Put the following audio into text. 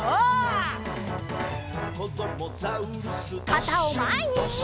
かたをまえに！